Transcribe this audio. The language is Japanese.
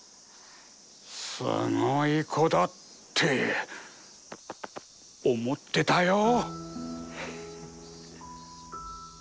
すごい子だって思ってたよ。